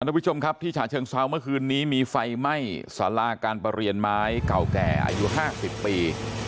ทุกผู้ชมครับที่ฉะเชิงเซาเมื่อคืนนี้มีไฟไหม้สาราการประเรียนไม้เก่าแก่อายุ๕๐ปี